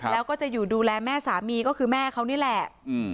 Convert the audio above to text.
แล้วก็จะอยู่ดูแลแม่สามีก็คือแม่เขานี่แหละ